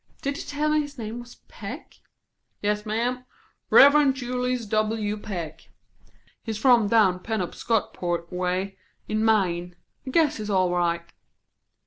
"Did you tell me his name was Peck?" "Yes, ma'am; Rev. Julius W. Peck. He's from down Penobscotport way, in Maine. I guess he's all right."